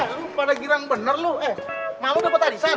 eh eh eh lo pada gilang bener lo eh mau dapet adisan